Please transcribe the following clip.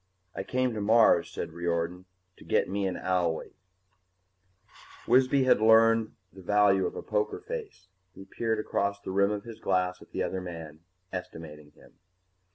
"I came to Mars," said Riordan, "to get me an owlie." Wisby had learned the value of a poker face. He peered across the rim of his glass at the other man, estimating him.